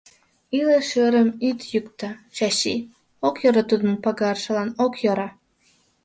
— Иле шӧрым ит йӱктӧ, Чачи, ок йӧрӧ тудын пагаржылан ок йӧрӧ.